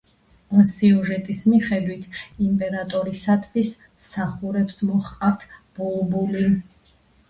სიუჟეტის მიხედვით იმპერატორისათვის მსახურებს მოჰყავთ ბულბული.